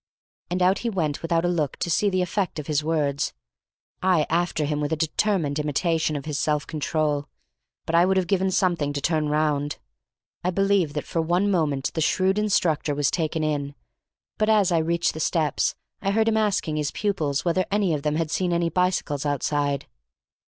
And out he went without a look to see the effect of his words, I after him with a determined imitation of his self control. But I would have given something to turn round. I believe that for one moment the shrewd instructor was taken in, but as I reached the steps I heard him asking his pupils whether any of them had seen any bicycles outside.